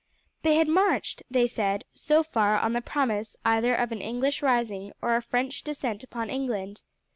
They had marched, they said, so far on the promise either of an English rising or a French descent upon England.